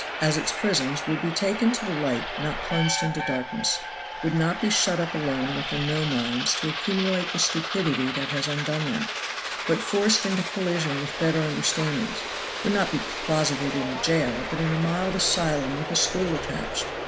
as its prisons, would be taken to the light not plunged into darkness; would not be shut up alone with their no minds to accumulate the stupidity that has undone them, but forced into collision with better understandings; would not be closeted in a jail, but in a mild asylum with a school attached.